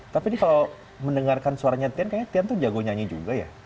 tapi ini kalau mendengarkan suaranya tian kayaknya tian tuh jago nyanyi juga ya